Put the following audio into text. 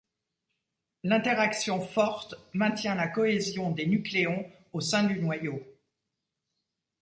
L'interaction forte maintient la cohésion des nucléons au sein du noyau.